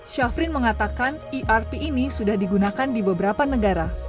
syafrin mengatakan erp ini sudah digunakan di beberapa negara